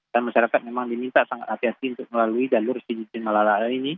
dan masyarakat memang diminta sangat hati hati untuk melalui jalur sikijin malala ini